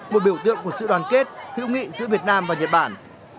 một biểu tượng của sự đoàn kết hữu nghị giữa việt nam và nhật bản